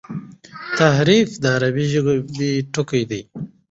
تحریف د عربي ژبي ټکی دﺉ.